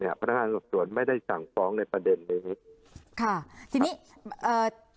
อาทารกรรมสวนไม่ได้จังฟ้องในประเด็นไม่มีค่ะทีนี้อื้อ